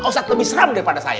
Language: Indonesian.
ustadz lebih seram daripada saya